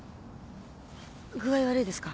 具合悪いですか？